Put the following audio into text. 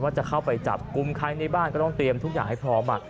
จะเข้าไปจับกลุ่มใครในบ้านก็ต้องเตรียมทุกอย่างให้พร้อม